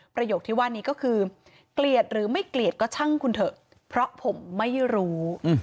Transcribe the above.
ประโยคที่ว่านี้ก็คือเกลียดหรือไม่เกลียดก็ช่างคุณเถอะเพราะผมไม่รู้